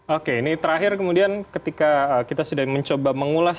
oke ini terakhir kemudian ketika kita sudah mencoba mengulas